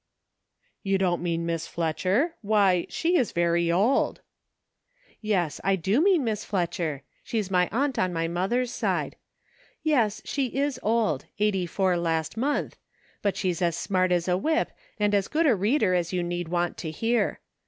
"You don't mean Miss Fletcher .* Why, she is very old !"" Yes, I do, mean Miss Fletcher ; she's my aunt on my mother's side ; yes, she is old, eighty four last month, but she's as smart as a whip, and as 204 DIFFERING WORLDS. good a reader as you need want to hear.